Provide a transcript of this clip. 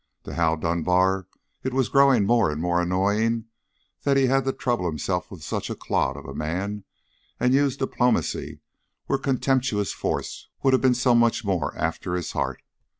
To Hal Dunbar it was growing more and more annoying that he had to trouble himself with such a clod of a man and use diplomacy where contemptuous force would have been so much more after his heart.